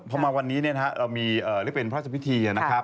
พอมาวันนี้เรามีเรียกเป็นพระราชพิธีนะครับ